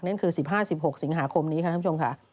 นั่นคือ๑๕๑๖สิงหาคมนี้ค่ะท่านผู้ชมค่ะ